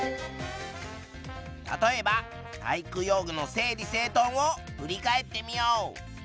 例えば体育用具の整理整とんを振り返ってみよう。